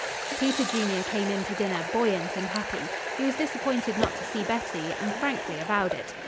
Peter Junior came in to dinner, buoyant and happy. He was disappointed not to see Betty, and frankly avowed it.